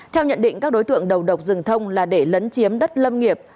theo nhận định các đối tượng đầu độc rừng thông là để lấn chiếm đất lâm nghiệp